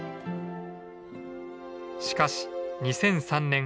しかし２００３年。